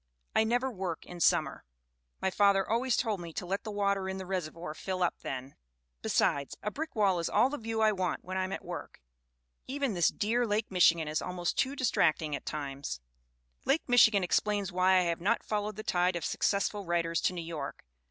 I never work in summer. My father always told me to let the water in the reservoir fill up then. Besides, a brick wall is all the view I want when I am at work. Even this dear Lake Michigan is almost too distract ing at times. 270 THE WOMEN WHO MAKE OUR NOVELS "Lake Michigan explains why I have not followed the tide of successful writers to New York.